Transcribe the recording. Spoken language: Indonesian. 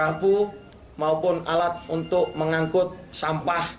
jangkul gabu maupun alat untuk mengangkut sampah